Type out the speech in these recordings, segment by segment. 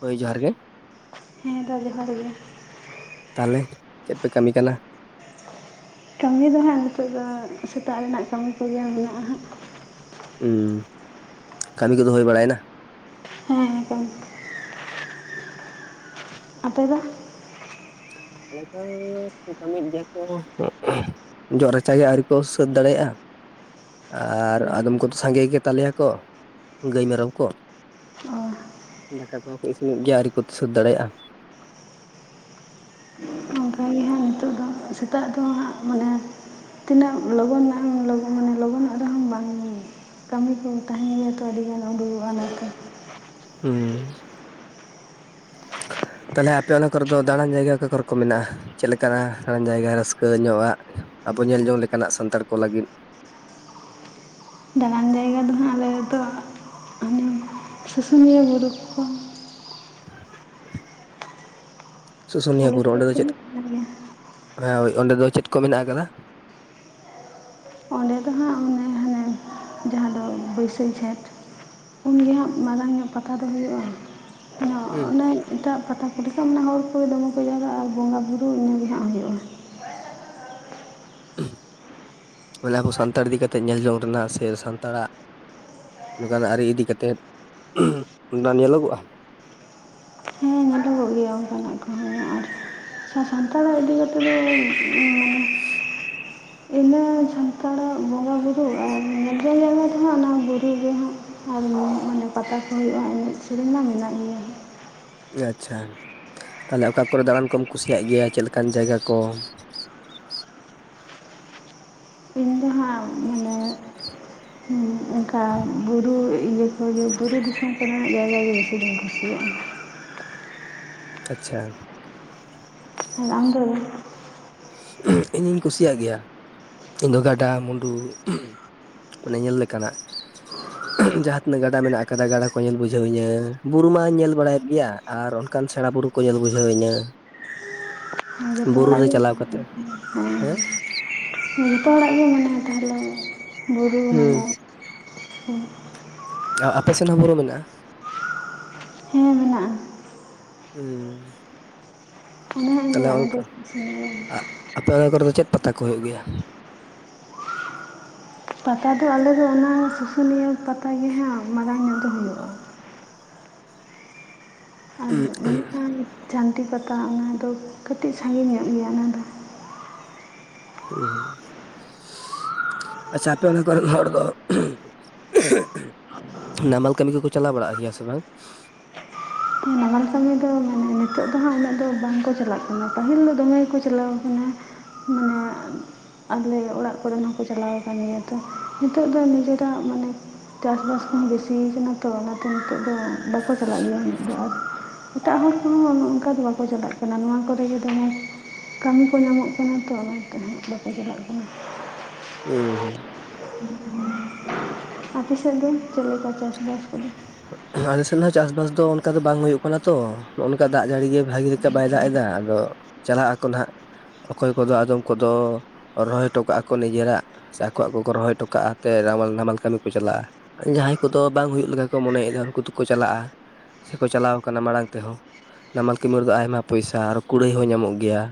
ᱦᱳᱭ ᱡᱚᱦᱟᱨ ᱜᱮ᱾ ᱦᱮᱸ ᱫᱟ ᱡᱚᱦᱟᱨ ᱜᱮ᱾ ᱛᱟᱦᱚᱞᱮ ᱪᱮᱫ ᱯᱮ ᱠᱟᱹᱢᱤ ᱠᱟᱱᱟᱺ ᱠᱟᱹᱢᱤ ᱫᱚ ᱦᱟᱸᱜ ᱱᱤᱛᱚᱜ ᱫᱚ ᱥᱮᱛᱟᱜ ᱨᱮᱱᱟᱜ ᱠᱟᱹᱢᱤ ᱠᱚᱜᱮ ᱢᱮᱱᱟᱜᱼᱟ ᱦᱟᱸᱜ᱾ ᱦᱩᱸ ᱠᱟᱹᱢᱤ ᱠᱚᱫᱚ ᱦᱩᱭ ᱵᱟᱲᱟᱭᱮᱱᱟ᱾ ᱦᱮᱸᱸ ᱟᱯᱮ ᱫᱚ? ᱮᱠᱟᱞ ᱠᱟᱹᱢᱤᱭᱮᱫ ᱜᱮᱭᱟ ᱠᱚ᱾ ᱡᱚᱜ-ᱨᱟᱪᱟᱮ ᱟᱹᱣᱨᱤ ᱠᱚ ᱥᱟᱹᱛ ᱫᱟᱲᱮᱭᱟᱜᱼᱟ᱾ ᱟᱨ ᱟᱫᱚᱢ ᱠᱚᱫᱚ ᱥᱟᱸᱜᱮ ᱜᱮ ᱛᱟᱞᱮᱭᱟ ᱠᱚ ᱜᱟᱹᱭ ᱢᱮᱨᱚᱢ ᱠᱚ᱾ ᱚ ᱫᱟᱠᱟ ᱠᱚᱦᱚᱸ ᱠᱚ ᱤᱱᱚᱜ ᱜᱮᱭᱟ ᱟᱣᱨᱤ ᱠᱚ ᱥᱟᱹᱛ ᱫᱟᱲᱮᱭᱟᱜᱼᱟ᱾ ᱚᱱᱠᱟ ᱜᱮ ᱦᱟᱸᱜ [inaudible] ᱱᱤᱛᱚᱜ ᱫᱚ ᱥᱮᱛᱟᱜ ᱫᱚ ᱦᱟᱸᱜ ᱢᱟᱱᱮ ᱛᱤᱱᱟᱹᱜ ᱞᱚᱜᱚᱱ ᱢᱟᱱᱮ ᱞᱚᱜᱚᱱᱚᱜ ᱨᱮᱦᱚᱸ ᱵᱟᱝ [unintelligible] ᱠᱟᱹᱢᱤ ᱠᱚ ᱛᱟᱦᱮᱸ ᱛᱚ ᱟᱹᱰᱤᱜᱟᱱ ᱩᱰᱩᱠᱚᱜᱼᱟ ᱚᱱᱟᱠ ᱦᱩᱸ ᱛᱟᱦᱚᱞᱮ ᱟᱯᱮ ᱚᱱᱟ ᱠᱚᱨᱮ ᱫᱚ ᱫᱟᱬᱟᱱ ᱡᱟᱭᱜᱟ ᱚᱠᱟ ᱠᱚᱨᱮ ᱠᱚ ᱢᱮᱱᱟᱜᱼᱟ? ᱪᱮᱫ ᱞᱮᱠᱟᱱᱟᱜ ᱡᱟᱭᱜᱟ ᱨᱟᱹᱥᱠᱟᱹ ᱧᱚᱜ ᱟ ᱟᱵᱚ ᱧᱮᱞ ᱡᱚᱝ ᱞᱮᱠᱟᱱᱟᱜ ᱥᱟᱱᱛᱟᱲ ᱠᱚ ᱞᱟᱹᱜᱤᱫ᱾ ᱫᱟᱞᱟᱱ ᱡᱟᱭᱜᱟ ᱫᱚᱦᱟᱜ ᱟᱞᱮ ᱟᱹᱛᱚ ᱥᱩᱥᱩᱱᱤᱭᱟᱹ ᱵᱩᱨᱩ ᱠᱚ ᱥᱩᱥᱩᱱᱤᱭᱟᱹ ᱟᱞᱮ ᱵᱩᱨᱩ ᱥᱮᱫ ᱚᱸᱰᱮ ᱫᱚ ᱪᱮᱫ ᱦᱩᱭᱩᱜ ᱠᱟᱱ ᱜᱮᱭᱟ ᱦᱮᱸᱳᱭ ᱚᱸᱰᱮ ᱫᱚ ᱪᱮᱫ ᱠᱚ ᱢᱮᱱᱟᱜ ᱟᱠᱟᱫᱟ? ᱚᱸᱰᱮ ᱫᱚ ᱦᱟᱸᱜ ᱚᱱᱮ ᱦᱟᱱᱮ ᱡᱟᱦᱟᱸ ᱫᱚ ᱵᱟᱹᱭᱥᱟᱹᱠᱷ ᱡᱷᱮᱸᱴ ᱩᱱᱜᱮ ᱦᱟᱸᱜ ᱢᱟᱨᱟᱝ ᱧᱚᱜ ᱯᱟᱛᱟ ᱫᱚ ᱦᱩᱭᱩᱜᱼᱟ ᱦᱩᱸ ᱚᱱᱮ ᱮᱴᱟᱜ ᱯᱟᱛᱟ ᱠᱚᱨᱮ ᱠᱚ ᱢᱟ ᱦᱚᱲ ᱠᱚ ᱫᱚᱢᱮ ᱠᱚ ᱡᱟᱣᱨᱟᱜᱼᱟ ᱟᱨ ᱵᱚᱸᱜᱟ ᱵᱩᱨᱩ ᱤᱱᱟᱹᱜᱮ ᱦᱟᱸᱜ ᱦᱩᱭᱩᱜᱼᱟ᱾ ᱚᱱᱟ ᱠᱚ ᱥᱟᱱᱛᱟᱲ ᱤᱫᱤ ᱠᱟᱛᱮᱫ ᱧᱮᱞ ᱡᱚᱝ ᱨᱮᱱᱟᱜ ᱥᱮ ᱥᱟᱱᱛᱟᱲᱟᱜ ᱚᱱᱠᱟᱱᱟᱜ ᱟᱹᱨᱤ ᱤᱫᱤ ᱠᱟᱛᱮᱫ ᱩᱱ ᱵᱟᱢ ᱧᱮᱞᱚᱜᱚᱜᱼᱟ᱾ ᱦᱮᱸ ᱧᱮᱞᱚᱜ ᱜᱮᱭᱟ ᱚᱱᱠᱟᱱᱟᱜ ᱜᱟᱱᱚᱜ ᱠᱷᱟᱱ ᱟᱨ ᱥᱟᱛᱟᱢ ᱠᱚ ᱤᱫᱤ ᱠᱟᱛᱮ ᱫᱚ ᱢᱟᱱᱮ [unintelligible] ᱤᱱᱟᱹ ᱥᱟᱱᱛᱟᱲᱟᱜ ᱵᱚᱸᱜᱟ ᱵᱩᱨᱩ ᱟᱨ ᱧᱮᱞᱮᱞ ᱧᱮᱞ ᱦᱚᱸ ᱱᱚᱣᱟ ᱵᱩᱨᱩ ᱜᱮ ᱦᱟᱸᱜ ᱟᱨ ᱢᱟᱱᱮ ᱚᱸᱰᱮ ᱯᱟᱛᱟ ᱠᱚ ᱦᱩᱭᱩᱜᱼᱟ ᱮᱱᱮᱡ ᱥᱮᱨᱮᱧ ᱢᱟ ᱢᱮᱱᱟᱜ ᱜᱮᱭᱟ᱾ ᱟᱪᱪᱷᱟ ᱛᱟᱦᱞᱮ ᱚᱠᱟ ᱠᱚᱨᱮ ᱫᱟᱬᱟᱱ ᱠᱚᱢ ᱠᱩᱥᱤᱭᱟᱜ ᱜᱮᱭᱟ ᱪᱮᱫ ᱞᱮᱠᱟᱱ ᱡᱟᱭᱜᱟ ᱠᱚ ᱤᱧ ᱫᱚ ᱦᱟᱸᱜ ᱢᱟᱱᱮ ᱚᱝᱠᱟ ᱵᱩᱨᱩ ᱤᱭᱟᱹ ᱦᱚᱭ ᱦᱚᱭ ᱵᱩᱨᱩ ᱫᱤᱥᱚᱢ ᱠᱚᱨᱮᱱᱟᱜ ᱡᱟᱭᱜᱟ ᱜᱮ ᱵᱤᱥᱤ ᱫᱚᱧ ᱠᱩᱥᱤᱭᱟᱜᱼᱟ᱾ ᱟᱪᱪᱷᱟ᱾ ᱟᱢ ᱫᱚ ᱤᱧᱤᱧ ᱠᱩᱥᱤᱭᱟᱜ ᱜᱮᱭᱟ ᱤᱧ ᱫᱚ ᱜᱟᱰᱟ ᱢᱩᱰᱩ ᱾ ᱚᱱᱮ ᱧᱮᱞ ᱞᱮᱠᱟᱱᱟᱜ᱾ ᱡᱟᱦᱟᱸ ᱛᱤᱱᱟᱹᱜ ᱜᱟᱰᱟ ᱢᱮᱱᱟᱜ ᱟᱠᱟᱫᱟ ᱜᱟᱰᱟ ᱠᱚ ᱧᱮᱞ ᱵᱩᱡᱷᱟᱹᱣᱤᱧᱟᱹ ᱵᱩᱨᱩ ᱢᱟᱧ ᱧᱮᱞ ᱵᱟᱲᱟᱭᱮᱫ ᱜᱮᱭᱟ ᱟᱨ ᱚᱱᱠᱟᱱ ᱥᱮᱬᱟ ᱵᱩᱨᱩ ᱠᱚ᱾ ᱠᱚ ᱧᱮᱞ ᱵᱩᱡᱷᱟᱹᱣᱤᱧᱟᱹ᱾ ᱡᱚᱛ ᱦᱚᱲᱟᱜ ᱜᱮ ᱾ ᱛᱮ, ᱦᱮᱸ᱾ ᱡᱚᱛᱚ ᱦᱚᱲᱟᱜ ᱜᱮ ᱢᱚᱱᱮ ᱛᱟᱦᱞᱮ᱾ ᱦᱩᱸ ᱟᱨ ᱟᱯᱮᱥᱮᱱ ᱦᱚᱸ ᱵᱩᱨᱩ ᱢᱮᱱᱟᱜᱼᱟ ᱦᱮᱸ ᱢᱮᱱᱟᱜᱼᱟ ᱾ ᱦᱮᱸ ᱾ ᱚᱱᱟ ᱦᱚᱧ ᱛᱟᱦᱞᱮ ᱞᱟᱹᱭᱟᱫ ᱢᱮᱫᱚ ᱚᱝᱠᱟ ᱥᱩᱥᱩᱱᱤᱭᱟᱹ ᱟᱯᱮ ᱚᱱᱟ ᱠᱚᱨᱮ ᱫᱚ ᱪᱮᱫ ᱯᱟᱛᱟ ᱠᱚ ᱦᱩᱭᱩᱜ ᱜᱮᱭᱟ᱾ ᱯᱟᱛᱟ ᱫᱚ ᱟᱞᱮ ᱫᱚ ᱚᱱᱟ ᱥᱩᱥᱩᱱᱤᱭᱟᱹ ᱯᱟᱛᱟ ᱜᱮ ᱦᱟᱸᱜ ᱢᱟᱨᱟᱝ ᱧᱚᱜ ᱫᱚ ᱦᱩᱭᱩᱜᱼᱟ᱾ ᱮᱱᱚᱠᱷᱟᱱ ᱡᱷᱟᱹᱱᱴᱤ ᱯᱟᱛᱟ ᱚᱱᱟᱫᱚ ᱠᱟᱹᱴᱤᱡ ᱥᱟᱺᱜᱤᱧ ᱧᱚᱜ ᱜᱮᱭᱟ ᱚᱱᱟ ᱫᱚ᱾ ᱦᱩᱸ ᱟᱪᱪᱷᱟ ᱟᱯᱮ ᱚᱱᱟ ᱠᱚᱨᱮᱱ ᱦᱚᱲ ᱫᱚ ᱱᱟᱢᱟᱞ ᱠᱟᱹᱢᱤ ᱠᱚᱠᱚ ᱪᱟᱞᱟᱣ ᱵᱟᱲᱟᱜ ᱜᱮᱭᱟ ᱥᱮ ᱵᱟᱝ ᱱᱟᱢᱟᱞ ᱠᱟᱹᱢᱤ ᱫᱚ ᱢᱟᱱᱮ ᱱᱤᱛᱚᱜ ᱫᱚ ᱦᱟᱸᱜ ᱩᱱᱟᱹᱜ ᱫᱚ ᱵᱟᱝᱠᱚ ᱪᱟᱞᱟᱜ ᱠᱟᱱᱟ ᱯᱟᱹᱦᱤᱞ ᱫᱚ ᱫᱚᱢᱮ ᱜᱮᱠᱚ ᱪᱟᱞᱟᱣ ᱠᱟᱱᱟ ᱢᱟᱱᱮ ᱟᱞᱮ ᱚᱲᱟᱜ ᱠᱚᱨᱮᱱ ᱦᱚᱸᱠᱚ ᱪᱟᱞᱟᱣ ᱟᱠᱟᱱ ᱜᱮᱭᱟ ᱛᱚ ᱱᱤᱛᱚᱜ ᱫᱚ ᱱᱤᱡᱮᱨᱟᱜ ᱢᱟᱱᱮ ᱪᱟᱥᱼᱵᱟᱥ ᱠᱚᱦᱚᱸ ᱵᱤᱥᱤᱭ ᱠᱟᱱᱟ ᱛᱚ ᱚᱱᱟᱛᱮ ᱱᱤᱛᱚᱜ ᱫᱚ ᱵᱟᱠᱚ ᱪᱟᱞᱟᱜ ᱜᱮᱭᱟ ᱩᱱᱟᱹᱜ ᱫᱚ ᱟᱨᱺ ᱮᱴᱟᱜ ᱦᱚᱲ ᱠᱚᱦᱚᱸ ᱚᱱᱠᱟ ᱫᱚ ᱵᱟᱠᱚ ᱪᱟᱞᱟᱜ ᱠᱟᱱᱟ ᱱᱚᱣᱟ ᱠᱚᱨᱮᱜᱮ ᱫᱚᱢᱮ᱾ ᱠᱟᱹᱢᱤ ᱠᱚ ᱧᱟᱢᱚᱜ ᱠᱟᱱᱟ ᱛᱚ ᱚᱱᱟᱛᱮ ᱦᱟᱸᱜ ᱵᱟᱠᱚ ᱪᱟᱞᱟᱜ ᱠᱟᱱᱟ᱾ ᱦᱩᱸ ᱦᱩᱸ᱾ ᱟᱯᱮ ᱥᱮᱫ ᱫᱚ ᱪᱮᱫ ᱞᱮᱠᱟ ᱪᱟᱥᱵᱟᱥ ᱠᱚᱫᱚ ᱾ ᱟᱞᱮᱥᱮᱫ ᱦᱚᱸ ᱪᱟᱥᱵᱟᱥ ᱫᱚ ᱚᱱᱠᱟ ᱵᱟᱝ ᱦᱩᱭᱩᱜ ᱠᱟᱱᱟ ᱛᱚ ᱱᱚᱜᱼᱚ ᱱᱚᱝᱠᱟ ᱫᱟᱜ ᱡᱟᱹᱲᱤ ᱜᱮ ᱵᱷᱟᱜᱤ ᱞᱮᱠᱟ ᱵᱟᱭ ᱫᱟᱜ ᱮᱫᱟ ᱟᱫᱚ ᱪᱟᱞᱟᱜ-ᱟᱠᱚ ᱱᱟᱦᱟᱸᱜ ᱚᱠᱚᱭ ᱠᱚᱫᱚ ᱟᱫᱚᱢ ᱠᱚᱫᱚ ᱨᱚᱦᱚᱭ ᱦᱚᱴᱚ ᱠᱟᱜᱼᱟ ᱠᱚ ᱱᱤᱡᱮᱨᱟᱜ᱾ ᱥᱮ ᱟᱠᱚᱣᱟᱜ ᱠᱚ ᱠᱚ ᱨᱚᱦᱚᱭ ᱦᱚᱴᱠᱟᱜᱼᱟ ᱮᱱᱛᱮᱫ ᱱᱟᱢᱟᱞ ᱱᱟᱢᱟᱞ ᱠᱟᱹᱢᱤ ᱠᱚ ᱪᱟᱞᱟᱜᱼᱟ, ᱟᱨ ᱡᱟᱦᱟᱸᱭ ᱠᱚᱫᱚ ᱵᱟᱝ ᱦᱩᱭᱩᱜ ᱞᱮᱠᱟ ᱠᱚ ᱢᱚᱱᱮᱭᱮᱫᱟ ᱩᱱᱠᱩ ᱫᱚᱠᱚ ᱪᱟᱞᱟᱜᱼᱟ ᱥᱮᱠᱚ ᱪᱟᱞᱟᱣ ᱟᱠᱟᱱᱟ ᱢᱟᱲᱟᱝ ᱛᱮᱦᱚᱸ ᱱᱟᱢᱟᱞ ᱠᱟᱹᱢᱤᱨᱮ ᱫᱚ ᱟᱭᱢᱟ ᱯᱚᱭᱥᱟ ᱟᱨ ᱠᱩᱲᱟᱹᱭ ᱦᱚᱸ ᱧᱟᱢᱚᱜ ᱜᱮᱭᱟ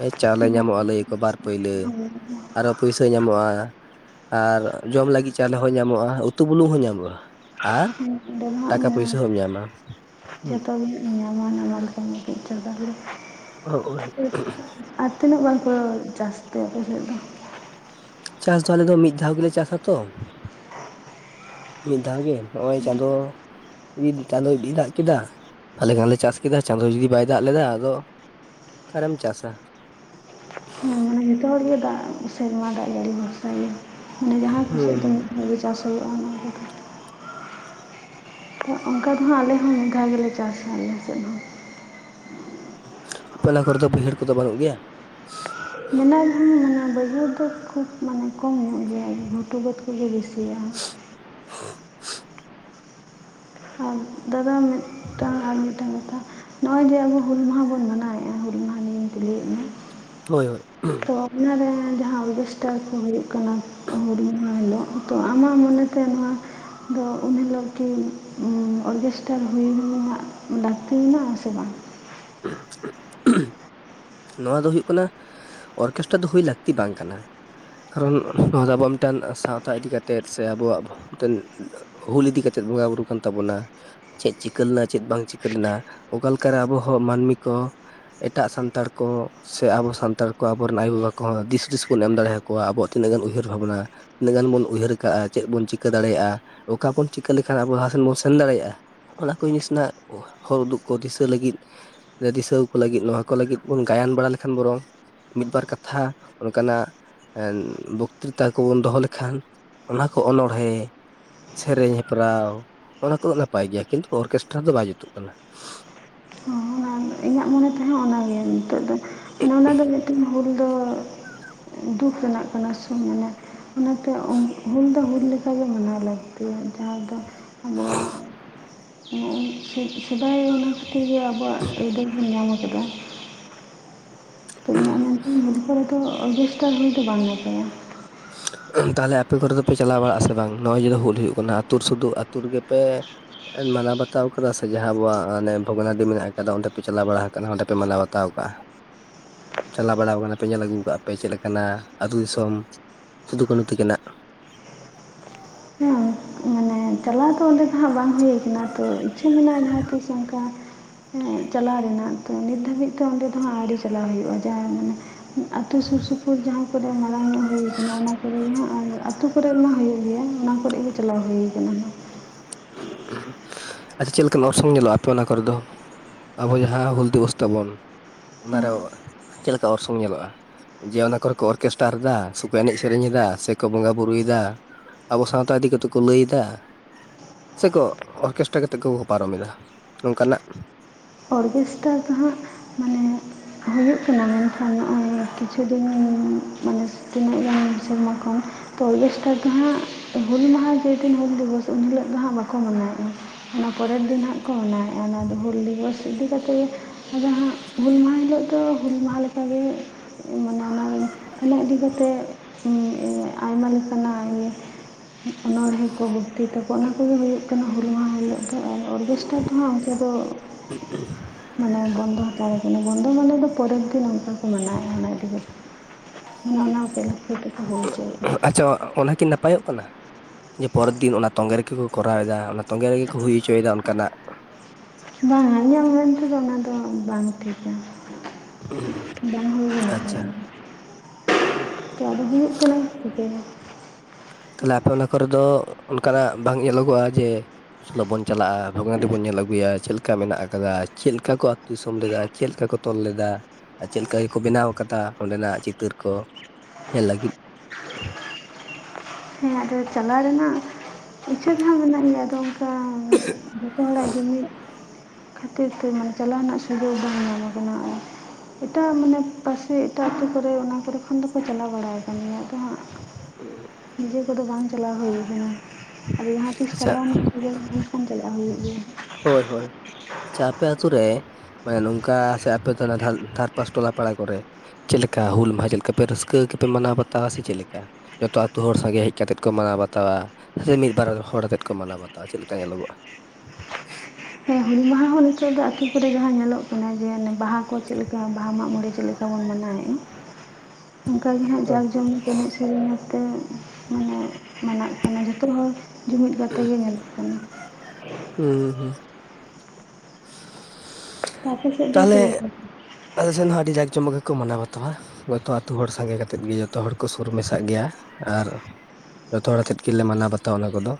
ᱦᱮᱸ ᱪᱟᱣᱞᱮ ᱧᱟᱢᱚᱜᱼᱟ ᱞᱟᱹᱭᱟᱚ ᱵᱟᱨ ᱯᱟᱹᱭᱞᱟᱹ ᱦᱮᱸ ᱚᱸᱰᱮ ᱟᱨᱚ ᱯᱩᱭᱥᱟᱹ ᱧᱟᱢᱚᱜᱼᱟᱺ ᱟᱨ ᱡᱚᱢ ᱞᱟᱹᱜᱤᱫ ᱪᱟᱣᱞᱮ ᱦᱚᱸ ᱧᱟᱢᱚᱜᱼᱟ ᱩᱛᱩ ᱵᱩᱞᱩᱜᱝ ᱦᱚᱸ ᱧᱟᱢᱚᱜᱼᱟ᱾ ᱦᱮᱸ, ᱫᱚ ᱦᱟᱸᱜ ᱴᱟᱠᱟ ᱯᱩᱭᱥᱟᱹ ᱦᱚᱸᱢ ᱧᱟᱢᱟ᱾ ᱟᱨ ᱱᱟᱢᱟ ᱱᱟᱢᱟᱞ ᱠᱟᱹᱢᱤ ᱠᱟᱺᱡ ᱪᱟᱵᱟ ᱦᱩᱲᱩ [unintelligible] ᱚ ᱳᱭ ᱟᱨ ᱛᱤᱱᱟᱹᱜ ᱵᱟᱨ ᱠᱚ ᱪᱟᱥ ᱛᱮ ᱟᱯᱮ ᱥᱮᱫ ᱫᱚ ᱪᱟᱥ ᱫᱚ ᱟᱞᱮ ᱫᱚ ᱢᱤᱫ ᱫᱷᱟᱣ ᱜᱮᱞᱮ ᱪᱟᱥ ᱟᱛᱚ ᱾ ᱢᱤᱫ ᱫᱷᱟᱣ ᱜᱮ ᱱᱚᱜ-ᱚᱭ ᱪᱟᱸᱫᱚ᱾ ᱤᱱ ᱪᱟᱸᱫᱚ ᱡᱩᱫᱤᱭ ᱫᱟᱜ ᱠᱮᱫᱟ ᱟᱞᱮ ᱦᱚᱸᱞᱮ ᱪᱟᱥ ᱠᱮᱫᱟ ᱪᱟᱸᱫᱚ ᱡᱩᱫᱤ ᱵᱟᱭ ᱫᱟᱜ ᱞᱮᱫᱟ ᱟᱫᱚ ᱚᱠᱟᱨᱮᱢ ᱪᱟᱥᱼᱟ᱾ ᱦᱮᱸ ᱢᱟᱱᱮ ᱡᱚᱛᱚ ᱦᱚᱲᱜᱮ ᱫᱟᱜ ᱥᱮ ᱱᱚᱣᱟ ᱫᱟᱜ ᱡᱟᱲᱤ ᱵᱷᱚᱨᱥᱟ ᱜᱮ ᱢᱟᱱᱮ ᱡᱟᱦᱟᱸ ᱠᱚᱥᱮᱫ ᱫᱚ ᱦᱩᱸ ᱵᱷᱟᱜᱮ ᱪᱟᱥ ᱦᱩᱭᱩᱜᱼᱟ ᱚᱱᱟ ᱠᱚ ᱚᱱᱠᱟ ᱫᱚᱦᱟᱸᱜ ᱟᱞᱮ ᱦᱚᱸ ᱢᱤᱫ ᱫᱷᱟᱣ ᱜᱮᱞᱮ ᱪᱟᱥᱟ ᱟᱞᱮ ᱥᱮᱫ ᱦᱚᱸ ᱟᱯᱮ ᱚᱱᱟ ᱠᱚᱨᱮ ᱫᱚ ᱵᱟᱹᱭᱦᱟᱹᱲ ᱠᱚᱫᱚ ᱵᱟᱹᱱᱩᱜ ᱜᱮᱭᱟ ᱢᱮᱱᱟᱜ ᱨᱮᱦᱚᱸ ᱢᱟᱱᱮ ᱵᱟᱹᱭᱦᱟᱹᱲ ᱫᱚ ᱠᱷᱩᱵ ᱢᱟᱱᱮ ᱠᱚᱢ ᱧᱚᱜ ᱡᱮ ᱜᱷᱩᱴᱩ ᱵᱟᱹᱫ ᱠᱚᱜᱮ ᱵᱤᱥᱤᱭ-ᱟ [inaudible] ᱟᱨ ᱫᱟᱫᱟ ᱢᱤᱫᱴᱟᱝ ᱟᱨ ᱢᱤᱫᱴᱟᱝ ᱠᱟᱛᱷᱟ ᱱᱚᱜᱼᱚᱭ ᱡᱮ ᱟᱵᱚ ᱦᱩᱞ ᱢᱟᱦᱟ ᱵᱚᱱ ᱢᱟᱱᱟᱣᱮᱫᱼᱟ ᱦᱩᱞ ᱢᱟᱦᱟ ᱱᱤᱭᱟᱹ ᱛᱮ ᱞᱟᱹᱭᱮᱫ ᱢᱮ ᱦᱳᱭ ᱦᱳᱭ ᱛᱚ ᱚᱱᱟᱨᱮ ᱡᱟᱦᱟᱸ ᱚᱨᱠᱮᱥᱴᱟᱨ ᱠᱚ ᱦᱩᱭᱩᱜ ᱠᱟᱱᱟ᱾ ᱦᱩᱞ ᱢᱟᱦᱟ ᱦᱤᱞᱳᱜ ᱛᱚ ᱟᱢᱟᱜ ᱢᱚᱱᱮ ᱛᱮ ᱱᱚᱣᱟ ᱫᱚ ᱩᱱ ᱦᱤᱞᱳᱜ ᱠᱤ ᱚᱨᱜᱮᱥᱴᱟᱨ ᱦᱩᱭ ᱨᱮᱱᱟᱜ ᱞᱟᱹᱠᱛᱤ ᱢᱮᱱᱟᱜ ᱟᱥᱮ ᱵᱟᱝ [inaudible] ᱱᱚᱣᱟ ᱫᱚ ᱦᱳᱭᱜ ᱠᱟᱱᱟ ᱚᱨᱠᱮᱥᱴᱨᱟ ᱫᱚ ᱦᱩᱭ ᱞᱟᱹᱠᱛᱤ ᱵᱟᱝ ᱠᱟᱱᱟ᱾ ᱠᱟᱨᱚᱱ ᱱᱚᱣᱟ ᱫᱚ ᱟᱵᱚᱣᱟᱜ ᱢᱤᱫᱴᱮᱱ ᱥᱟᱶᱛᱟ ᱤᱫᱤᱠᱟᱛᱮᱫ ᱥᱮ ᱟᱵᱚᱣᱟᱜ ᱢᱤᱫᱴᱮᱱ ᱦᱩᱞ ᱤᱫᱤ ᱠᱟᱛᱮᱫ ᱵᱚᱸᱜᱟ ᱵᱩᱨᱩ ᱠᱟᱱ ᱛᱟᱵᱚᱱᱟ, ᱪᱮᱫ ᱪᱤᱠᱟᱹ ᱞᱮᱱᱟ ᱪᱮᱫ ᱵᱟᱝ ᱪᱤᱠᱟᱹ ᱞᱮᱱᱟ ᱚᱠᱟ ᱞᱮᱠᱟᱨᱮ ᱟᱵᱚᱦᱚᱸ ᱢᱟᱹᱱᱢᱤ ᱠᱚ ᱮᱴᱟᱜ ᱥᱟᱱᱛᱟᱲᱼᱼ ᱠᱚ ᱥᱮ ᱟᱵᱚ ᱥᱟᱱᱛᱟᱲ ᱠᱚ ᱟᱵᱚᱨᱮᱱ ᱟᱭᱳᱼ ᱵᱟᱵᱟ ᱠᱚᱦᱚᱸ ᱫᱤᱥ ᱦᱩᱫᱤᱥ ᱵᱚᱱ ᱮᱢ ᱫᱟᱲᱮᱭᱟᱠᱚᱣᱟ ᱟᱵᱚᱣᱟᱜ ᱛᱤᱱᱟᱹᱜ ᱜᱟᱱ ᱩᱭᱦᱟᱹᱨ ᱵᱷᱟᱵᱽᱱᱟ ᱛᱤᱱᱟᱹᱜ ᱜᱟᱱ ᱵᱚᱱ ᱩᱭᱦᱟᱹᱨ ᱠᱟᱜᱼᱟ ᱪᱮᱫ ᱵᱚᱱ ᱪᱤᱠᱟᱹ ᱫᱟᱲᱮᱭᱟᱜᱼᱟ ᱚᱠᱟ ᱵᱚᱱ ᱪᱤᱠᱟᱹ ᱞᱮᱠᱷᱟᱱ ᱟᱵᱚ ᱞᱟᱦᱟᱥᱮᱫ ᱵᱚᱱ ᱥᱮᱱ ᱫᱟᱲᱮᱭᱟᱜᱼᱟ ᱚᱱᱟᱠᱚ ᱡᱤᱱᱤᱥ ᱨᱮᱱᱟᱜ ᱦᱚᱨ ᱩᱫᱩᱜ ᱠᱚ ᱫᱤᱥᱟᱹ ᱞᱟᱹᱜᱤᱫ ᱫᱤᱥᱟᱹᱣ ᱠᱚ ᱞᱟᱹᱜᱤᱫ ᱱᱚᱣᱟ ᱠᱚ ᱞᱟᱹᱜᱤᱫ ᱵᱚᱱ ᱜᱟᱭᱟᱱ ᱵᱟᱲᱟ ᱞᱮᱠᱷᱟᱱ ᱵᱚᱨᱚᱝ ᱢᱤᱫᱵᱟᱨ ᱠᱟᱛᱷᱟ ᱚᱱᱠᱟᱱᱟᱜ ᱵᱚᱠᱛᱨᱤᱛᱟ ᱠᱚᱵᱚᱱ ᱫᱚᱦᱚ ᱞᱮᱠᱷᱟᱱ ᱚᱱᱟ ᱠᱚ ᱚᱱᱚᱬᱦᱮᱸ ᱥᱮᱨᱮᱧ ᱦᱮᱯᱨᱟᱣ ᱚᱱᱟ ᱠᱚᱫᱚ ᱱᱟᱯᱟᱭ ᱜᱮᱭᱟ ᱠᱤᱱᱛᱩ ᱚᱨᱠᱮᱥᱴᱟᱨ ᱫᱚ ᱵᱟᱭ ᱡᱩᱛᱩᱜ ᱠᱟᱱᱟ ᱚᱱᱟ ᱤᱧᱟᱹᱜ ᱢᱚᱱᱮᱛᱮ ᱦᱚᱸ ᱚᱱᱟᱜᱮ ᱱᱤᱛᱚᱜ ᱫᱚ ᱢᱟᱱᱮ ᱚᱱᱟ ᱫᱚ ᱢᱤᱫᱴᱤᱱ ᱦᱳᱞ [inaudible] ᱫᱩᱠ ᱨᱮᱱᱟᱜ ᱠᱟᱱᱟ ᱥᱩ ᱢᱟᱱᱮᱼᱼ ᱚᱱᱟᱛᱮ ᱦᱩᱞ ᱫᱚ ᱦᱩᱞ ᱞᱮᱠᱟᱜᱮ ᱢᱟᱱᱟᱣ ᱞᱟᱹᱠᱛᱤᱭᱟ ᱡᱟᱦᱟᱸ ᱫᱚ ᱟᱵᱚᱣᱟᱜ [inaudible] ᱥᱮᱫᱟᱭ ᱚᱱᱟ ᱛᱮᱜᱮ ᱟᱵᱚᱣᱟᱜ ᱟᱹᱭᱫᱟᱹᱨ ᱵᱚᱱ ᱧᱟᱢ ᱟᱠᱟᱫᱟ [unintelligible] ᱦᱩᱞ ᱠᱚᱨᱮ ᱫᱚ ᱚᱨᱠᱮᱥᱴᱟᱨ ᱦᱩᱭ ᱫᱚ ᱵᱟᱝ ᱱᱟᱯᱟᱭᱟ ᱛᱟᱦᱞᱮ ᱟᱯᱮ ᱠᱚᱨᱮ ᱫᱚᱯᱮ ᱪᱟᱞᱟᱣ ᱵᱟᱲᱟᱜ ᱟᱥᱮ ᱵᱟᱝ ᱾ᱱᱚᱜᱼᱚᱭ ᱡᱮ ᱦᱩᱞ ᱦᱩᱭᱩᱜ ᱠᱟᱱᱟ ᱟᱹᱛᱩ ᱥᱩᱫᱷᱩ ᱟᱹᱛᱩ ᱨᱮᱜᱮ ᱯᱮ ᱢᱟᱱᱟᱣ ᱵᱟᱛᱟᱣ ᱟᱠᱟᱫᱟ ᱥᱮ ᱡᱟᱦᱟᱸ ᱟᱵᱚᱣᱟᱜ ᱚᱱᱮ ᱵᱷᱚᱜᱽᱱᱟᱰᱤ ᱢᱮᱱᱟᱜ ᱟᱠᱟᱫᱟ ᱚᱸᱰᱮ ᱯᱮ ᱪᱟᱞᱟᱣ ᱵᱟᱲᱟ ᱟᱠᱟᱱᱟ ᱚᱸᱰᱮ ᱯᱮ ᱢᱟᱱᱟᱣ ᱵᱟᱛᱟᱣ ᱟᱠᱟᱫᱟ᱾ ᱪᱟᱞᱟᱣ ᱵᱟᱲᱟ ᱠᱟᱱᱟ ᱯᱮ ᱧᱮᱞ ᱟᱜᱩ ᱠᱟᱜᱼᱟ ᱯᱮ ᱪᱮᱫ ᱞᱮᱠᱟᱱᱟ ᱟᱹᱛᱩ ᱫᱤᱥᱚᱢ᱾ ᱥᱩᱫᱩ ᱠᱟᱹᱱᱩ ᱛᱤᱠᱤᱱᱟᱜ ᱦᱮᱸ ᱢᱮ ᱪᱟᱞᱟᱣ ᱫᱚ ᱚᱸᱰᱮ ᱫᱚ ᱦᱟᱸᱜ ᱵᱟᱝ ᱦᱩᱭ ᱠᱟᱱᱟ ᱛᱚ ᱤᱪᱪᱷᱟᱹ ᱢᱮᱱᱟᱜᱼᱟ ᱡᱟᱦᱟᱸ ᱛᱤᱥ ᱚᱱᱠᱟ ᱮᱸ ᱪᱟᱞᱟᱣ ᱨᱮᱱᱟᱜ ᱛᱚ ᱱᱤᱛ ᱫᱷᱟᱹᱵᱤᱡ ᱛᱮ ᱚᱸᱰᱮ ᱫᱚ ᱦᱟᱸᱜ ᱟᱹᱰᱤ ᱪᱟᱞᱟᱣ ᱦᱩᱭᱩᱜᱼᱟ ᱡᱟᱦᱟᱸ ᱢᱟᱱᱮ ᱟᱛᱳ ᱥᱩᱨ ᱥᱩᱯᱩᱨ ᱡᱟᱦᱟᱸ ᱠᱚᱨᱮ ᱢᱟᱲᱟᱝ ᱧᱚᱜ ᱦᱩᱭ ᱟᱠᱟᱱᱟ ᱚᱱᱟ ᱠᱚᱨᱮ ᱦᱟᱸᱜ ᱟᱨ ᱟᱛᱳ ᱠᱚᱨᱮ ᱢᱟ ᱦᱩᱭᱩᱜ ᱜᱮᱭᱟ ᱚᱱᱟ ᱠᱚᱨᱮ ᱜᱮ ᱪᱟᱞᱟᱣ ᱦᱩᱭ ᱟᱠᱟᱱᱟ ᱦᱟᱸᱜ, ᱟᱪᱪᱷᱟ [unintelligible] ᱪᱮᱫ ᱠᱟᱱ ᱚᱨᱥᱚᱝ ᱧᱮᱞᱚᱜᱼᱟ, ᱟᱯᱮ ᱚᱱᱟ ᱠᱚᱨᱮ ᱫᱚ? ᱟᱵᱚ ᱡᱟᱦᱟᱸ ᱦᱩᱞ ᱫᱤᱵᱚᱥ ᱛᱟᱵᱚᱱ ᱚᱱᱟᱨᱮ ᱦᱮᱸ ᱪᱮᱫ ᱞᱮᱠᱟ ᱚᱨᱥᱚᱝ ᱧᱮᱞᱚᱜᱼᱟ ᱡᱮ ᱚᱱᱟ ᱠᱚᱨᱮ ᱠᱚ ᱚᱨᱠᱮᱥᱴᱟᱨ ᱮᱫᱟ ᱥᱮᱠᱚ ᱮᱱᱮᱡ ᱥᱮᱨᱮᱧ ᱮᱫᱟ ᱥᱮᱠᱚ ᱵᱚᱸᱜᱟ ᱵᱩᱨᱩᱭᱮᱫᱟ᱾ ᱟᱵᱚ ᱥᱟᱶᱛᱟ ᱤᱫᱤ ᱠᱟᱛᱮᱫ ᱠᱚ ᱞᱟᱹᱭ ᱮᱫᱟ ᱥᱮᱠᱚ ᱚᱨᱠᱮᱥᱴᱟᱨ ᱠᱟᱛᱮᱫ ᱠᱚ ᱯᱟᱨᱚᱢ ᱮᱫᱟ ᱱᱚᱝᱠᱟᱱᱟᱜ ᱚᱨᱜᱮᱥᱴᱟᱨ ᱫᱚ ᱦᱟᱸᱜ ᱢᱟᱱᱮ ᱦᱩᱭᱩᱜ ᱠᱟᱱᱟ᱾ ᱢᱮᱱᱠᱷᱟᱱ ᱱᱚᱜᱼᱚᱭ ᱠᱤᱪᱷᱩ ᱫᱤᱱ ᱢᱟᱱᱮ ᱛᱤᱱᱟᱹᱜ ᱜᱟᱱ ᱥᱮᱨᱢᱟ ᱠᱷᱚᱱ ᱛᱚ ᱚᱨᱜᱮᱥᱴᱟᱨ ᱫᱚ ᱦᱟᱸᱜ ᱦᱩᱞ ᱢᱟᱦᱟ ᱡᱮ ᱫᱤᱱ, ᱦᱩᱞ ᱫᱤᱵᱚᱥ ᱩᱱ ᱦᱤᱞᱳᱜ ᱫᱚ ᱦᱟᱸᱜ ᱵᱟᱠᱚ ᱢᱟᱱᱟᱣᱮᱫᱼᱟ ᱚᱱᱟ ᱯᱚᱨᱮᱨ ᱫᱤᱱ ᱠᱚ ᱢᱱᱟᱣᱮᱫᱼᱟ ᱚᱱᱟ ᱫᱚ ᱦᱩᱞ ᱫᱤᱵᱚᱥ ᱤᱫᱤ ᱠᱟᱛᱮᱫ ᱡᱟᱸᱦᱟ ᱦᱩᱞ ᱢᱟᱦᱟ ᱦᱤᱞᱳᱜ ᱫᱚ ᱦᱩᱞ ᱢᱟᱦᱟ ᱞᱮᱠᱟᱜᱮ ᱢᱟᱱᱮ ᱚᱱᱟ, ᱚᱱᱟ ᱤᱫᱤ ᱠᱟᱛᱮᱫ ᱟᱭᱢᱟ ᱞᱮᱠᱟᱱᱟᱜ ᱤᱭᱟᱹ ᱚᱱᱚᱬᱦᱮ ᱠᱚ ᱵᱷᱚᱠᱛᱤ ᱛᱟᱠᱚ ᱚᱱᱟ ᱠᱚᱜᱮ ᱦᱩᱭᱩᱜ ᱠᱟᱱᱟ ᱦᱩᱞ ᱢᱟᱦᱟ ᱦᱤᱞᱳᱜ ᱟᱨ ᱚᱨᱜᱮᱥᱴᱟᱨ ᱠᱚᱦᱚᱸ ᱚᱱᱛᱮ ᱫᱚ [inaudible] ᱢᱟᱱᱮ ᱵᱚᱱᱫᱚ ᱦᱟᱛᱟᱲ ᱠᱟᱱᱟ ᱵᱚᱱᱫᱚ ᱢᱟᱱᱮ ᱫᱚ ᱯᱚᱨᱮᱨ ᱜᱮ ᱱᱚᱝᱠᱟ ᱠᱚ ᱢᱟᱱᱟᱣᱮᱫᱼᱟ, ᱚᱱᱟ ᱤᱫᱤ ᱠᱟᱛᱮᱜ [unintelligible] ᱦᱩᱭ ᱪᱚᱭᱮᱫ ᱟ ᱟᱪᱪᱷᱟ ᱚᱱᱟ ᱠᱤ ᱱᱟᱯᱟᱭᱚᱜ ᱠᱟᱱᱟ? ᱯᱚᱨᱮᱨ ᱫᱤᱱ ᱚᱱᱟ ᱛᱚᱸᱜᱮ ᱨᱮᱜᱮ ᱠᱚ ᱠᱚᱨᱟᱣᱮᱫᱟ ᱚᱱᱟ ᱛᱚᱸᱜᱮ ᱨᱮᱜᱮ ᱠᱚ ᱦᱩᱭ ᱦᱚᱪᱚᱭ ᱫᱟ ᱚᱱᱠᱟᱱᱟᱜ ᱵᱟᱝ ᱤᱧᱟᱜ ᱢᱮᱱ ᱛᱮᱫᱚ ᱚᱱᱟ ᱫᱚ ᱵᱟᱝ ᱴᱷᱤᱠᱟ᱾ ᱵᱟᱝ ᱦᱩᱭ ᱟᱪᱪᱷᱟ ᱮ ᱟᱹᱞᱮ ᱦᱩᱭᱩᱜ ᱠᱟᱱᱟᱭ ᱴᱤᱠᱟᱹᱭᱟ᱾ ᱛᱟᱦᱞᱮ ᱟᱯᱮ ᱚᱱᱟ ᱠᱚᱨᱮ ᱫᱚ ᱚᱱᱠᱟᱱᱟᱜ ᱵᱟᱝ ᱧᱮᱞᱚᱜᱚᱜᱼᱟ ᱡᱮ ᱪᱚᱞᱳ ᱵᱚᱱ ᱪᱟᱞᱟᱜᱼᱟ ᱵᱷᱚᱜᱽᱱᱟᱰᱤ ᱵᱚᱱ ᱧᱮᱞ ᱟᱹᱜᱩᱭᱟ ᱪᱮᱫ ᱞᱮᱠᱟ ᱢᱮᱱᱟᱜ ᱟᱠᱟᱫᱟ ᱪᱮᱫᱠᱟ ᱠᱚ ᱟᱹᱛᱩ ᱫᱤᱥᱚᱢ ᱞᱮᱫᱟ ᱪᱮᱫᱠᱟ ᱠᱚ ᱛᱚᱞ ᱞᱮᱫᱟ ᱟᱨ ᱪᱮᱫ ᱞᱮᱠᱟᱠᱚ ᱵᱮᱱᱟᱣ ᱟᱠᱟᱫᱟᱚᱸᱰᱮᱱᱟᱜ ᱪᱤᱛᱟᱹᱨ ᱠᱚ ᱧᱮᱞ ᱞᱟᱹᱜᱤᱫ ᱦᱮᱸ ᱟᱫᱚ ᱪᱟᱞᱟᱣ ᱨᱮᱱᱟᱜ ᱤᱪᱪᱷᱟᱹ ᱫᱚ ᱦᱟᱸᱜ ᱢᱮᱱᱟᱜ ᱜᱮᱭᱟ ᱟᱫᱚ ᱚᱱᱠᱟ ᱡᱚᱛᱚ ᱦᱚᱲᱟᱜ ᱡᱩᱢᱤᱫ ᱠᱷᱟᱹᱛᱤᱨ ᱛᱮ ᱢᱟᱱᱮ ᱪᱟᱞᱟᱣ ᱨᱮᱱᱟᱜ ᱥᱩᱡᱳᱜᱽ ᱵᱟᱝ ᱧᱟᱢ ᱠᱟᱱᱟ᱾ ᱮᱴᱟᱜ ᱢᱟᱱᱮ ᱯᱟᱥᱮ ᱮᱴᱟᱜ ᱟᱹᱛᱩ ᱠᱚᱨᱮ ᱚᱱᱟ ᱠᱚᱨᱮ ᱠᱷᱚᱱ ᱫᱚᱠᱚ ᱪᱟᱞᱟᱣ ᱵᱟᱲᱟᱭ ᱠᱟᱱ ᱜᱮᱭᱟ ᱟᱫᱚ ᱦᱟᱸᱜ [inaudible] ᱱᱤᱡᱮ ᱠᱚᱫᱚ ᱵᱟᱝ ᱪᱟᱞᱟᱣ ᱦᱩᱭ ᱠᱟᱱᱟ᱾ ᱟᱨ ᱡᱟᱦᱟᱸ ᱛᱤᱥ ᱟᱪᱪᱷᱟ ᱪᱟᱞᱣᱟᱱ ᱪᱟᱞᱟᱜ ᱦᱩᱭᱩᱜ ᱜᱮᱭᱟ᱾ ᱦᱳᱭ ᱦᱳᱭ᱾ ᱟᱪᱪᱷᱟ ᱟᱯᱮ ᱟᱛᱳ ᱨᱮ ᱢᱟᱱᱮ ᱱᱚᱝᱠᱟ ᱥᱮ ᱟᱯᱮ ᱫᱚ ᱫᱷᱟᱨᱯᱟᱥ ᱴᱚᱞᱟ ᱯᱟᱲᱟ ᱠᱚᱨᱮ ᱪᱮᱫ ᱞᱮᱠᱟ ᱦᱩᱞ ᱢᱟᱦᱟ ᱪᱮᱫ ᱞᱮᱠᱟ ᱯᱮ ᱨᱟᱹᱥᱠᱟᱹ ᱜᱮᱯᱮ ᱢᱟᱱᱟᱣ ᱵᱟᱛᱟᱣᱟ ᱥᱮ ᱪᱮᱫ ᱞᱮᱠᱟ? ᱡᱚᱛᱚ ᱟᱛᱳ ᱦᱚᱲ ᱥᱟᱸᱜᱮ ᱦᱮᱡ ᱠᱟᱛᱮ ᱠᱚ ᱢᱟᱱᱟᱣ ᱵᱟᱛᱟᱣᱟ ᱥᱮ ᱢᱤᱫ ᱵᱟᱨ ᱦᱚᱲ ᱟᱛᱮᱫ ᱠᱚ ᱢᱟᱱᱟᱣ ᱵᱟᱛᱟᱣᱟ ᱪᱮᱫ ᱞᱮᱠᱟ ᱧᱮᱞᱚᱜᱼᱟ? ᱦᱮᱸ ᱦᱩᱞᱤ ᱢᱟᱦᱟ ᱦᱚᱸ ᱱᱤᱛᱚᱜ ᱫᱚ ᱟᱛᱳ ᱠᱚᱨᱮ ᱡᱟᱦᱟᱸ ᱧᱮᱞᱚᱜ ᱠᱟᱱᱟ ᱡᱮ ᱚᱱᱮ ᱵᱟᱦᱟ ᱠᱚ ᱪᱮᱫᱮ ᱞᱮᱠᱟ ᱵᱟᱦᱟ ᱢᱟᱜ ᱢᱚᱬᱮ ᱪᱮᱫ ᱞᱮᱠᱟ ᱠᱚ ᱵᱚᱱ ᱢᱟᱱᱟᱣᱮᱫᱼᱟ ᱚᱱᱠᱟ ᱜᱮ ᱦᱟᱸᱜ ᱦᱳᱭ ᱡᱠ ᱡᱚᱢ ᱮᱱᱮᱡ ᱥᱮᱨᱮᱧᱛᱮ ᱢᱟᱱᱮ ᱢᱟᱱᱟᱜ ᱠᱟᱱᱟ ᱡᱷᱚᱛᱚ ᱦᱚᱲ ᱡᱩᱢᱤᱫ ᱠᱟᱛᱮ ᱜᱮ ᱧᱮᱞᱚᱜ ᱠᱟᱱᱟ ᱦᱩᱸ-ᱦᱩᱸ᱾ ᱟᱯᱮ ᱥᱮᱫ ᱫᱚ ᱪᱮᱫ ᱛᱟᱦᱚᱞᱮ ᱞᱮᱠᱟ? ᱟᱞᱮ ᱥᱮᱱ ᱦᱚᱸ ᱟᱹᱰᱤ ᱡᱟᱠ ᱡᱚᱢᱚᱠ ᱜᱮᱠᱚ ᱢᱟᱱᱟᱣ ᱵᱟᱛᱣᱟ᱾ ᱡᱷᱚᱛᱚ ᱟᱹᱛᱩ ᱦᱚᱲ ᱥᱟᱸᱜᱮ ᱠᱟᱛᱮᱫ ᱜᱮ ᱡᱷᱚᱛᱚ ᱦᱚᱲ ᱠᱚ ᱥᱩᱨ ᱢᱮᱥᱟᱜ ᱜᱮᱭᱟ, ᱟᱨ ᱡᱷᱚᱛᱚᱦ ᱦᱚᱲᱛᱮᱫ ᱜᱮᱞᱮ ᱢᱟᱱᱟᱣ ᱵᱟᱛᱟᱣᱟ ᱚᱱᱟ ᱠᱚᱫᱚ᱾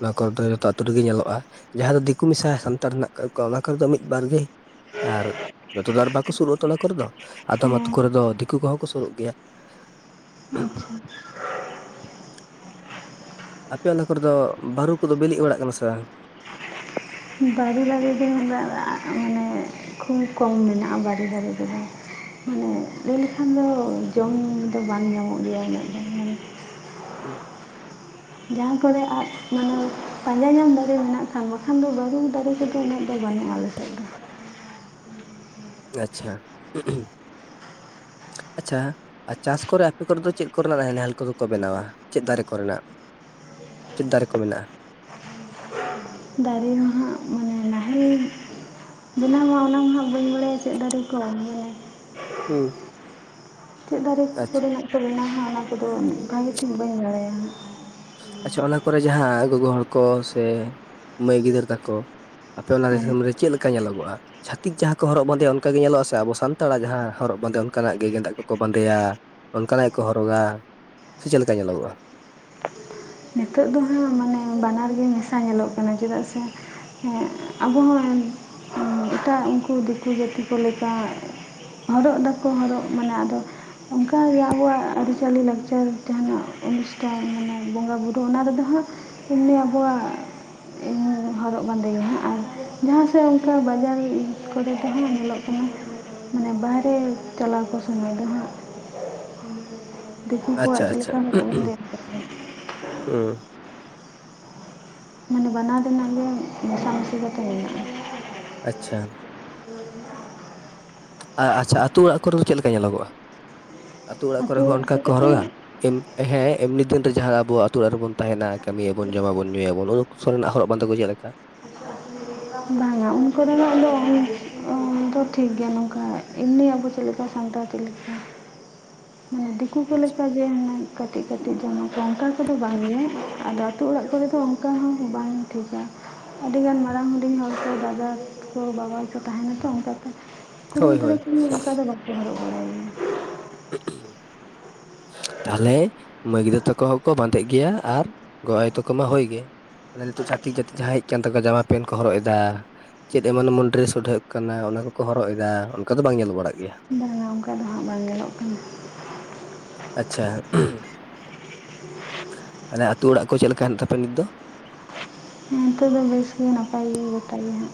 ᱚᱱᱟ ᱠᱚᱨᱮ ᱫᱚ ᱡᱚᱛᱚ ᱟᱛᱳ ᱨᱮᱜᱮ ᱧᱮᱞᱚᱜᱼᱟ, ᱡᱟᱦᱟᱸ ᱫᱚ ᱫᱤᱠᱩ ᱢᱮᱥᱟ ᱥᱟᱱᱛᱟᱲ ᱦᱮᱱᱟᱜ ᱟᱠᱟᱫ ᱠᱚᱣᱟ ᱚᱱᱟ ᱠᱚᱨᱮ ᱫᱚ ᱢᱤᱫ ᱵᱟᱨ ᱜᱮ ᱟᱨ ᱡᱚᱛᱚ ᱫᱚ ᱟᱨ ᱵᱟᱠᱚ ᱥᱩᱨᱩᱜᱸ-ᱟᱛᱚ ᱚᱱᱟ ᱠᱚᱨᱮ ᱫᱚ ᱟᱫᱚᱢ ᱟᱛᱳ ᱦᱮᱸ ᱠᱚᱨᱮ ᱫᱚ ᱫᱤᱠᱩ ᱠᱚᱦᱚᱸ ᱠᱚ ᱥᱩᱨᱩᱜ ᱜᱮᱭᱟ᱾ ᱟᱪᱪᱷᱟ ᱟᱯᱮ ᱟᱱᱟ ᱠᱚᱨᱮ ᱫᱚ ᱵᱟᱹᱨᱩ ᱠᱚᱫᱚ ᱵᱤᱞᱤᱜ ᱵᱟᱲᱟᱜ ᱠᱟᱱᱟ ᱥᱮ ᱵᱟᱝ? ᱵᱟᱹᱨᱩ ᱫᱟᱨᱮ ᱨᱮ ᱢᱟᱱᱮ ᱠᱷᱩᱵ ᱠᱚᱢ ᱢᱮᱱᱟᱜᱼᱟ ᱵᱟ. ᱨᱩ ᱫᱟᱨᱮ ᱠᱚᱫᱚ ᱮᱸ ᱞᱟᱹᱭ ᱞᱮᱠᱷᱟᱱ ᱫᱚ ᱡᱚᱢ ᱫᱚ ᱵᱟᱝ ᱧᱟᱢᱚᱜ ᱜᱮᱭᱟ ᱩᱱᱟᱹᱜ ᱫᱚ ᱢᱟᱱᱮ ᱦᱩᱸ ᱡᱟᱦᱟᱸ ᱠᱚᱨᱮ ᱟᱨ ᱢᱟᱱᱮ ᱯᱟᱸᱡᱟ ᱧᱟᱢ ᱫᱟᱨᱮ ᱢᱮᱱᱟᱜ ᱠᱷᱟᱱ ᱵᱟᱠᱷᱟᱱ ᱫᱚ ᱵᱟᱹᱨᱩ ᱫᱟᱨᱮ ᱠᱚᱮᱫ ᱩᱱᱟᱹᱜ ᱫᱚ ᱵᱟᱝᱟᱹᱱᱩᱜ-ᱟ ᱟᱞᱮ ᱥᱮᱫ ᱫᱚ᱾ ᱟᱪᱪᱷᱟ ᱦᱩᱸ ᱦᱩᱸ [inaudible] ᱟᱪᱪᱷᱟ ᱟᱨ ᱪᱟᱥ ᱠᱚᱨᱮ ᱟᱯᱮ ᱠᱚᱨᱮ ᱫᱚ ᱪᱮᱫ ᱠᱚᱨᱮᱱᱟᱜ ᱱᱟᱦᱮᱞ ᱠᱚᱫᱚ [inaudible] ᱠᱚ ᱵᱮᱱᱟᱣᱟ ᱪᱮᱫ ᱫᱟᱨᱮ ᱠᱚᱨᱮᱱᱟᱜ ᱪᱮᱫ ᱫᱟᱨᱮ ᱠᱚ ᱢᱮᱱᱟᱜᱼᱟ ᱫᱟᱨᱮ ᱦᱚᱸ ᱦᱟᱸᱜ ᱢᱟᱱᱮ ᱞᱟ [unintelligible] ᱦᱩᱸ [inaudible] ᱵᱮᱱᱟᱣᱟ ᱚᱱᱟ [inaudible] ᱤᱧᱦᱟᱸᱜ ᱵᱟᱹᱧ ᱵᱟᱲᱟᱹᱟᱭᱟ ᱪᱮᱫ ᱫᱟᱨᱮ ᱠᱚ [unintelligible] [inaudible] ᱦᱩᱸ ᱪᱮᱫ ᱫᱟᱨᱮ ᱟᱪᱪᱷᱟ ᱠᱚᱨᱮᱱᱟᱜ ᱪᱚ ᱵᱮᱱᱟᱣᱟ ᱚᱱᱟ ᱠᱚᱫᱚ ᱵᱷᱟᱜᱮ ᱴᱷᱤᱠ ᱵᱟᱹᱧ ᱵᱟᱲᱟᱭᱟ᱾ [inaudible] ᱟᱪᱪᱷᱟ ᱚᱱᱟ ᱠᱚᱨᱮ ᱡᱟᱦᱟᱸ ᱜᱚᱜᱚ ᱦᱚᱲ ᱠᱚ ᱥᱮ ᱢᱟᱹᱭ ᱜᱤᱫᱟᱹᱨ ᱛᱟᱠᱚ ᱟᱯᱮ ᱚᱱᱟ ᱫᱤᱥᱚᱢ ᱨᱮ ᱪᱮᱫ ᱞᱮᱠᱟ ᱧᱮᱞᱚᱜᱚᱜᱼᱟ ᱪᱷᱟᱹᱛᱤᱠ ᱡᱟᱦᱟᱸ ᱠᱚ ᱦᱚᱨᱚᱜ ᱵᱟᱸᱫᱮᱭᱟ ᱚᱱᱠᱟᱜᱮ ᱧᱮᱞᱚᱜᱼᱟ ᱥᱮᱮ ᱟᱵᱚ ᱥᱟᱱᱛᱟᱲᱟᱜ ᱡᱟᱦᱟᱸ ᱦᱚᱨᱚᱜ ᱵᱟᱸᱫᱮ ᱚᱱᱠᱟᱱᱟᱜ ᱜᱮ ᱜᱮᱸᱮᱫᱟᱜ ᱠᱚᱠᱚ ᱵᱟᱸᱫᱮᱭᱟ ᱚᱱᱠᱟᱱᱟᱜ ᱜᱮᱠᱚ ᱦᱚᱨᱚᱜᱟ ᱥᱮ [inaudible] ᱪᱮᱫ ᱞᱮᱠᱟ ᱧᱮᱞᱚᱜᱚᱜᱼᱟ ᱱᱤᱛᱚᱜ ᱫᱚ ᱦᱟᱸᱜ ᱢᱟᱱᱮ ᱵᱟᱱᱟᱨ ᱜᱮ ᱢᱮᱥᱟ ᱧᱮᱞᱚᱜ ᱠᱟᱱᱟ ᱪᱮᱫᱟᱜ ᱥᱮ [inaudible] ᱦᱮᱸ ᱟᱵᱚ ᱦᱚᱸ [inaudible] ᱮᱴᱟᱜ ᱩᱱᱠᱩ ᱫᱤᱠᱩ ᱡᱟᱹᱛᱤ ᱠᱚ ᱞᱮᱠᱟ ᱦᱚᱨᱚᱜ ᱫᱟᱠᱚ ᱦᱚᱨᱚᱜ ᱢᱟᱱᱮ ᱟᱫᱚ ᱚᱱᱠᱟᱜᱮ ᱟᱵᱚᱣᱟᱜ ᱟᱹᱨᱤᱪᱟᱹᱞᱤ ᱞᱟᱠᱪᱟᱨ ᱡᱟᱦᱟᱸᱭᱟᱜ ᱚᱱᱩᱥᱴᱷᱟᱱ ᱢᱟᱱᱮ ᱵᱚᱸᱜᱟ ᱵᱩᱨᱩ ᱛᱚ ᱚᱱᱟ ᱨᱮᱫᱚ ᱦᱟᱸᱜ ᱮᱢᱱᱤ ᱟᱵᱚᱣᱟᱜ ᱮ ᱦᱚᱨᱚᱜ ᱵᱟᱸᱫᱮᱭᱟ ᱦᱟᱸᱜ ᱟᱨ ᱡᱟᱦᱟᱸ ᱥᱮ ᱚᱱᱠᱟ ᱵᱟᱡᱟᱨ ᱠᱚᱨᱮ ᱛᱮᱦᱚᱸ ᱧᱮᱞᱚᱜ ᱠᱟᱱᱟ᱾ [inaudible] [unintelligible] ᱢᱟᱱᱮ ᱵᱟᱦᱨᱮ ᱪᱟᱞᱟᱣ ᱠᱚ ᱥᱚᱢᱚᱭ ᱫᱚ ᱦᱟᱸᱜ [unintelligible] ᱫᱤᱠᱩ ᱟᱪᱪᱷᱟ ᱠᱚᱣᱟᱜ ᱪᱮᱫ ᱟᱪᱪᱷᱟ ᱞᱮᱠᱟᱠᱚ [unintelligible] ᱦᱩᱸ ᱢᱟᱱᱮ ᱵᱟᱱᱟᱨ ᱨᱮᱱᱟᱜ ᱜᱮ ᱢᱚᱥᱟ ᱢᱥᱤ ᱠᱚᱛᱮ ᱦᱮᱱᱟᱜᱼᱟ᱾ [inaudible] ᱟᱪᱪᱷᱟ ᱟ ᱟᱪᱪᱷᱟ ᱟᱹᱛᱩ ᱚᱲᱟᱜ ᱠᱚᱨᱮ ᱫᱚ ᱪᱮᱫ ᱞᱮᱠᱟ ᱧᱮᱞᱚᱜᱚᱜᱼᱟ ᱟᱹᱛᱩ ᱚᱲᱟᱜ ᱠᱚᱨᱮ ᱦᱚᱸ ᱚᱱᱠᱟ ᱠᱚ ᱦᱚᱨᱚᱜ-ᱟ [unintelligible] ᱦᱤᱢ ᱦᱮᱸ ᱮᱢᱱᱤ ᱫᱤᱱ ᱨᱮ ᱡᱟᱦᱟᱸ ᱟᱵᱩ ᱟᱛᱩ ᱚᱲᱟᱜ ᱨᱮᱵᱚᱱ ᱛᱟᱦᱮᱱᱟ ᱠᱟᱹᱢᱤᱭᱟᱵᱚᱱ ᱡᱚᱢᱟᱵᱚᱱ ᱧᱩᱭᱟᱵᱚᱱ ᱥᱚᱨᱮᱱᱟᱜ ᱦᱚᱨᱚᱜ ᱵᱟᱸᱫᱮ ᱠᱚ ᱪᱮᱫ ᱞᱮᱠᱟ? [inaudible] ᱵᱟᱝᱟ ᱩᱱ ᱠᱚᱨᱮᱱᱟᱜ ᱫᱚ [inaudible] ᱚᱸ ᱴᱷᱤᱠ ᱜᱮᱭᱟ ᱱᱚᱝᱠᱟ ᱤᱢᱱᱤ ᱟᱵᱚ ᱪᱮᱫ ᱞᱮᱠᱟ ᱥᱟᱱᱛᱟᱲ ᱪᱮᱫ ᱞᱮᱠᱟ? ᱢᱟᱱᱮ ᱫᱤᱠᱩ ᱠᱚ ᱟᱪᱪᱷᱟ ᱞᱮᱠᱟ ᱜᱮ ᱦᱮᱱᱟ ᱠᱟᱹᱴᱤᱡ ᱠᱟᱹᱴᱤᱡ ᱡᱟᱢᱟ ᱞᱮᱱ ᱚᱱᱠᱟ ᱠᱚᱫᱚ ᱵᱟᱝ ᱜᱮ ᱟᱫᱚ ᱟᱹᱛᱩᱳ ᱚᱲᱟᱜ ᱠᱚᱨᱮ ᱫᱚ ᱚᱱᱠᱟ ᱦᱚᱸ ᱵᱟᱝ ᱴᱷᱤᱠᱟ᱾ [inaudible] ᱟᱹᱰᱤᱜᱟᱱ ᱢᱟᱲᱟᱝ ᱦᱚᱸ ᱦᱩᱰᱤᱧ ᱦᱚᱲ ᱠᱚ ᱫᱟᱫᱟ ᱠᱚ ᱵᱟᱵᱟ ᱠᱚ ᱛᱟᱦᱮᱱᱟ ᱛᱚ ᱚᱱᱠᱟᱛᱮ ᱠᱩᱲᱤ ᱦᱳᱭ ᱜᱤᱫᱽᱨᱟᱹ ᱦᱳᱭ ᱠᱚ ᱚᱱᱠᱟ ᱫᱚ ᱵᱟᱠᱚ [inaudible] [unintelligible] [unintelligible] ᱛᱟᱦᱚᱞᱮ ᱢᱟᱹᱭ ᱜᱤᱫᱨᱟᱹ ᱛᱟᱠᱚ ᱦᱚᱸᱠᱚ ᱵᱟᱸᱫᱮᱜ ᱜᱮᱭᱟ ᱟᱨ ᱜᱚᱜ ᱟᱭ ᱛᱟᱠᱚ ᱢᱟ ᱦᱳᱭ ᱜᱮ᱾ ᱢᱟᱱᱮ ᱱᱤᱛᱚᱜ ᱪᱷᱟᱛᱤᱠ ᱡᱟᱹᱛᱤ ᱡᱟᱦᱟᱸ ᱦᱮᱡ ᱟᱠᱟᱱ ᱛᱟᱠᱚᱣᱟ ᱡᱟᱢᱟ ᱯᱮᱱᱴ ᱠᱚ ᱦᱚᱨᱚᱜ ᱮᱫᱟ ᱪᱮᱫ ᱮᱢᱚᱱ ᱮᱢᱚᱱ ᱰᱨᱮᱥ ᱳᱰᱷᱟᱹᱜ ᱠᱟᱱᱟ ᱚᱱᱟ ᱠᱚᱠᱚ ᱦᱚᱨᱚᱜ ᱮᱫᱟ ᱚᱱᱠᱟ ᱫᱚ ᱵᱟᱝ ᱧᱮᱞ ᱵᱟᱲᱟᱜ ᱜᱮᱭᱟ᱾ ᱚᱱᱠᱟ ᱫᱚ ᱦᱟᱸᱜ ᱵᱟᱝ ᱧᱮᱞᱚᱜ ᱠᱟᱱᱟ᱾ ᱟᱪᱪᱷᱟ [unintelligible] ᱟᱞᱮ ᱟᱹᱛᱩᱳ ᱚᱲᱟᱜ ᱠᱚ ᱪᱮᱫ ᱞᱮᱠᱟ ᱦᱮᱱᱟᱜ ᱛᱟᱯᱮ ᱱᱤᱛ ᱫᱚ ᱱᱤᱛᱳᱜ ᱫᱚ ᱵᱮᱥ ᱜᱮ ᱱᱟᱯᱟᱭ ᱜᱮ ᱜᱚᱴᱟ ᱜᱮ ᱦᱟᱜ᱾